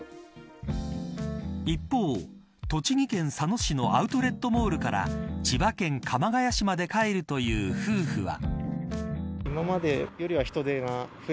一方、栃木県佐野市のアウトレットモールから千葉県鎌ケ谷市まで帰るという夫婦は。